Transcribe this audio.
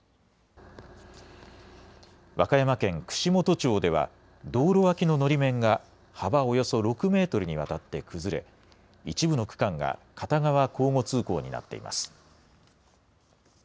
和歌山県串本町では道路脇ののり面が幅およそ６メートルにわたって崩れ一部の区間が片側交互通行になっています。